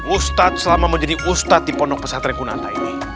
ustadz selama menjadi ustadz di pondok pesantren kunanta ini